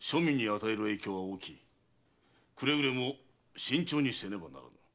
くれぐれも慎重にせねばならぬ。